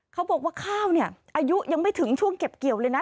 เขาบอกว่าข้าวเนี่ยอายุยังไม่ถึงช่วงเก็บเกี่ยวเลยนะ